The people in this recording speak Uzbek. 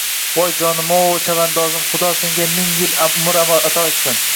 «Voy, jonim-ov, chavandozim, xudo senga ming yil umr ato qilsin